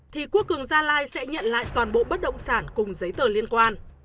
thì quốc cường gia lai sẽ nhận lại toàn bộ bất động sản cùng giấy tờ liên quan